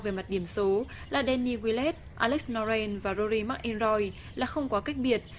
về mặt điểm số là danny willett alex moran và rory mcilroy là không quá kích biệt